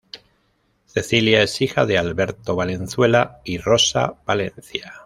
Cecilia es hija de Alberto Valenzuela y Rosa Valencia.